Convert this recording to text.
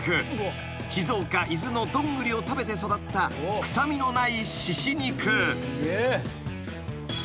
［静岡伊豆のドングリを食べて育った臭みのないしし肉］